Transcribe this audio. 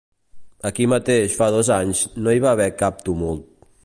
Aquí mateix fa dos anys no hi va haver cap tumult.